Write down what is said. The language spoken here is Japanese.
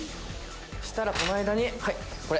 そしたらこの間にはいこれ」